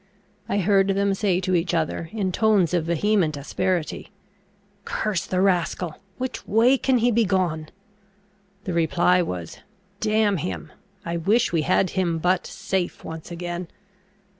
I heard them say to each other, in tones of vehement asperity, "Curse the rascal! which way can he be gone?" The reply was, "Damn him! I wish we had him but safe once again!"